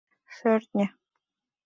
Шӧртньӧ!